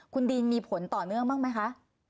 คุณดินมีผลต่อเนื่องบ้างไหมคะ